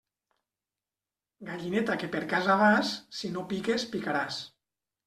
Gallineta que per casa vas, si no piques, picaràs.